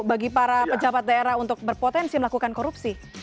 bagi para pejabat daerah untuk berpotensi melakukan korupsi